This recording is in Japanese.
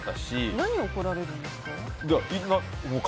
何を怒られるんですか？